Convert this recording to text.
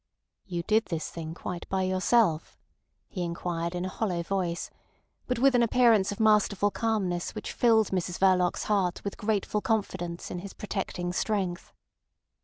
"You did this thing quite by yourself?" he inquired in a hollow voice, but with an appearance of masterful calmness which filled Mrs Verloc's heart with grateful confidence in his protecting strength.